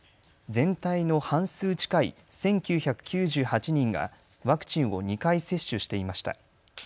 全体の半数近い１９９８人がワクチンを２回接種していました。